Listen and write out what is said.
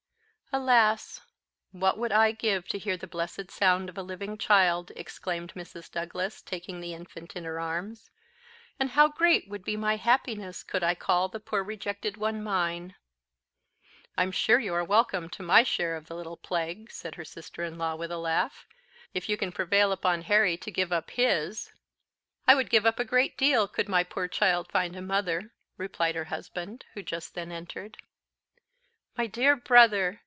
"Alas! what would I give to hear the blessed sound of a living child!" exclaimed Mrs. Douglas, taking the infant in her arms. "And how great would be my happiness could I call the poor rejected one mine!" "I'm sure you are welcome to my share of the little plague," said her sister in law, with a laugh, "if you can prevail upon Harry to give up his." "I would give up a great deal could my poor child find a mother," replied her husband, who just then entered. "My dear brother!"